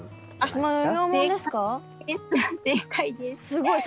すごい。